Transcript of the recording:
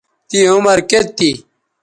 تیں عمر کیئت تھی